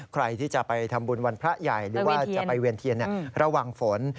ใครที่จะไปทำบุญวันพระใหญ่หรือว่าจะไปเวียนเทียนระวังฝน